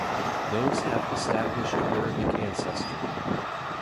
Those have established Arabic ancestry.